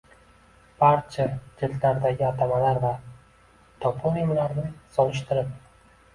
barcha jildlardagi atamalar va toponimlarni solishtirib